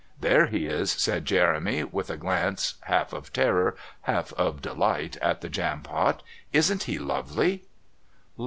"There he is," said Jeremy, with a glance half of terror, half of delight, at the Jampot. "Isn't he lovely?"